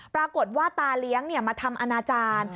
ปรากฏว่าตาเลี้ยงมาทำอนาจารย์